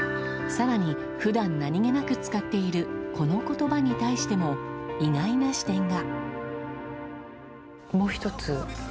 更に、普段何気なく使っているこの言葉に対しても意外な視点が。